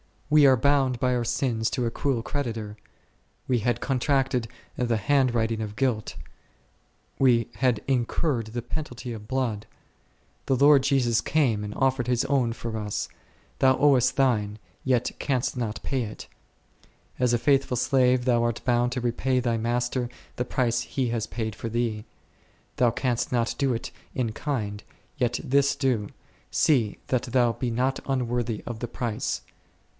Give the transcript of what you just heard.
We were bound by our sins to a cruel creditor, we had contracted the hand writing of guilt, we had incurred the penalty of blood ; the Lord Jesus came and offered His own for us ; thou owest thine, yet canst not pay it. As a faithful slave thou art bound to repay thy Master the price He has paid for thee ; thou canst not do it in kind, yet this do, see that thou be not unworthy of » St. Peter i. 17—19. G o — o ©rx p?olg STtrgtmtg 61 the price.